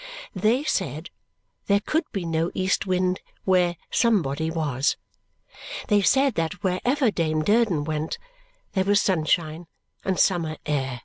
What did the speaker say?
They said there could be no east wind where Somebody was; they said that wherever Dame Durden went, there was sunshine and summer air.